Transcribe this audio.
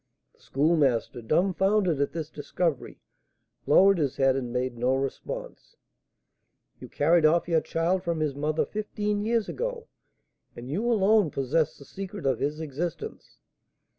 The Schoolmaster, dumfounded at this discovery, lowered his head and made no response. "You carried off your child from his mother fifteen years ago, and you alone possess the secret of his existence.